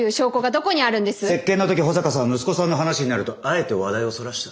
接見の時保坂さんは息子さんの話になるとあえて話題をそらした。